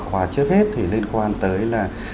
và trước hết thì liên quan tới là